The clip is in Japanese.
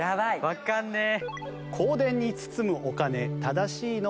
わかんねえ！